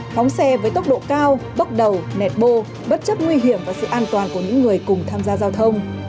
phóng xe với tốc độ cao bốc đầu nẹt bô bất chấp nguy hiểm và sự an toàn của những người cùng tham gia giao thông